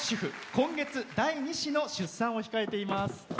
今月、第２子の出産を控えています。